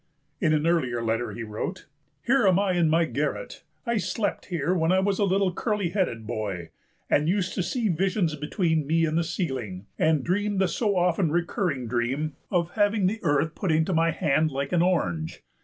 In an earlier letter he wrote: "Here I am in my garret. I slept here when I was a little curly headed boy, and used to see visions between me and the ceiling, and dream the so often recurring dream of having the earth put into my hand like an orange.